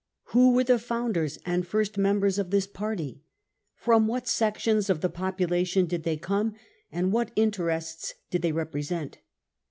Who were the founders andffirst members of this party > From what sections of the population did they come, and what interests did they represent